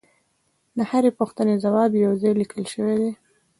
د هرې پوښتنې ځواب یو ځای لیکل شوی دی